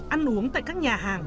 ăn uống tại các nhà hàng